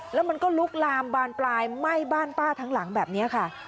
แล้วมันก็ลุกลามบานปลายไหม้บ้านป้าทั้งหลังแบบนี้ค่ะ